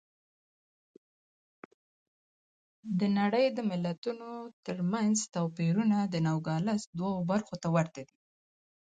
د نړۍ د ملتونو ترمنځ توپیرونه د نوګالس دوو برخو ته ورته دي.